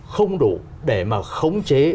không đủ để mà khống chế